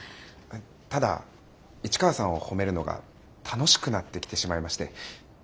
ただ市川さんを褒めるのが楽しくなってきてしまいまして。